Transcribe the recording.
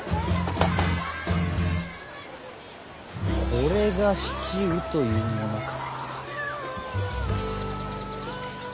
これがシチウというものか。